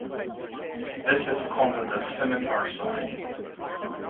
This is called the Scimitar Sign.